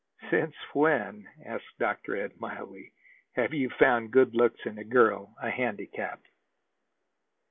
"Since when," asked Dr. Ed mildly, "have you found good looks in a girl a handicap?"